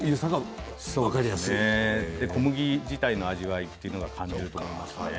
小麦自体の味わいも感じると思います。